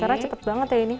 karena cepat banget ya ini